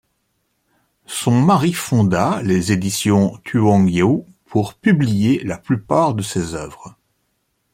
Son mari fonda les éditions Thương yêu pour publier la plupart de ses œuvres.